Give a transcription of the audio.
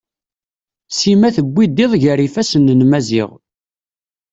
Sima tewwid iḍ gar yifasen n Maziɣ.